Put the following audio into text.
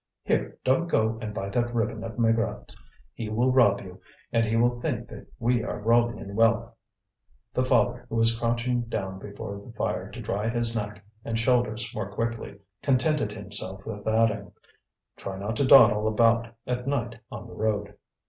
"Here! don't go and buy that ribbon at Maigrat's. He will rob you, and he will think that we are rolling in wealth." The father, who was crouching down before the fire to dry his neck and shoulders more quickly, contented himself with adding: "Try not to dawdle about at night on the road."